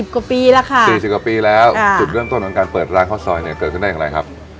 กว่าปีแล้วค่ะ๔๐กว่าปีแล้วจุดเริ่มต้นของการเปิดร้านข้าวซอยเนี่ยเกิดขึ้นได้อย่างไรครับ